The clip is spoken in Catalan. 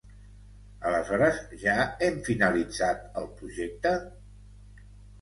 Aleshores ja hem finalitzat el projecte?